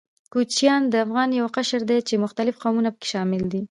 کوچيان د افغانستان يو قشر ده، چې مختلف قومونه پکښې شامل دي.